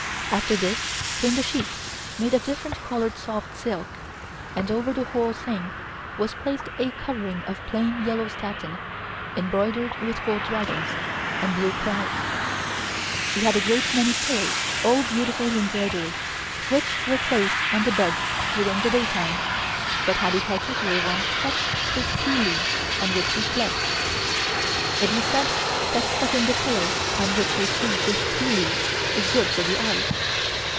After this came the sheets made of different colored soft silk, and over the whole thing was placed a covering of plain yellow satin embroidered with gold dragons and blue clouds. She had a great many pillows, all beautifully embroidered, which were placed on the bed during the daytime; but had a particular one stuffed with tea leaves on which she slept. It is said that stuffing the pillow on which you sleep with tea leaves is good for the eyes.